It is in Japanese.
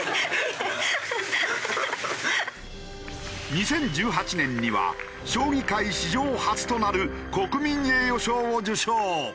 ２０１８年には将棋界史上初となる国民栄誉賞を受賞。